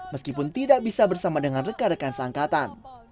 meskipun tidak bisa bersama dengan rekan rekan seangkatan